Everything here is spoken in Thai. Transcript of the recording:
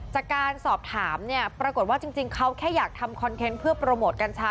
จากการสอบถามเนี่ยปรากฏว่าจริงเขาแค่อยากทำคอนเทนต์เพื่อโปรโมทกัญชา